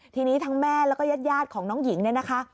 ทีนี้ทั้งแม่แล้วก็ญาติของน้องหญิงเนี่ยนะคะ